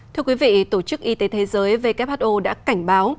thưa quý vị tổ chức y tế thế giới who đã cảnh báo